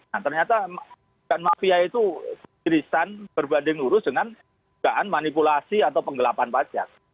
nah ternyata mafia itu krisan berbanding lurus dengan kegahan manipulasi atau penggelapan pajak